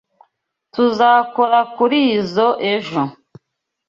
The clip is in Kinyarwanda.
Tuzakora kurizoi ejo.